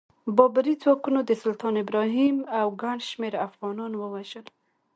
بابري ځواکونو د سلطان ابراهیم او ګڼ شمېر افغانان ووژل.